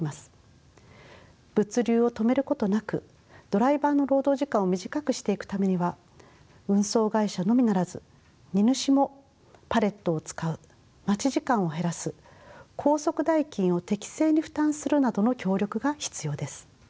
物流を止めることなくドライバーの労働時間を短くしていくためには運送会社のみならず荷主もパレットを使う待ち時間を減らす高速代金を適正に負担するなどの協力が必要です。